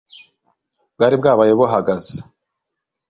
bwari bwabaye buhagaze